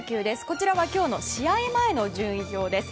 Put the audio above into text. こちらは今日の試合前の順位表です。